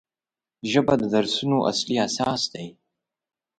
ژبه د درسونو اصلي اساس دی